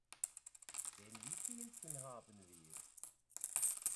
Den wievielten haben wir?